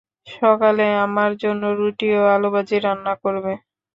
সকালে আমার জন্য রুটি এবং আলুভাজি রান্না করবে।